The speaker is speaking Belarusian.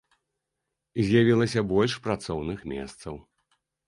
З'явілася больш працоўных месцаў.